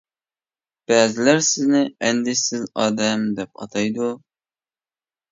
بەزىلەر سىزنى «ئەندىشىسىز ئادەم» دەپ ئاتايدۇ.